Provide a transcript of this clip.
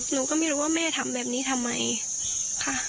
หนูก็ไม่รู้ว่าแม่ทำแบบนี้ทำไมค่ะ